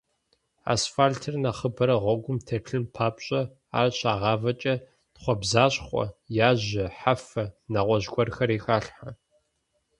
Асфальтыр нэхъыбэрэ гъуэгум телъын папщӏэ, ар щагъавэкӏэ тхъуэбзащхъуэ, яжьэ, хьэфэ, нэгъуэщӏ гуэрхэри халъхьэ.